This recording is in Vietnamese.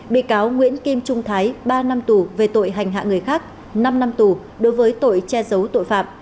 bị cáo nguyễn kim trung thái ba năm tù về tội hành hạ người khác năm năm tù đối với tội che giấc